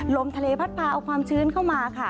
ลมทะเลพัดพาเอาความชื้นเข้ามาค่ะ